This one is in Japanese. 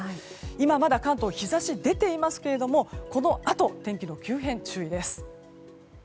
今まだ関東日差しが出ていますけれどもこのあと天気の急変に注意です。